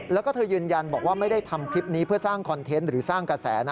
แล้วก็เธอยืนยันบอกว่าไม่ได้ทำคลิปนี้เพื่อสร้างคอนเทนต์หรือสร้างกระแสนะ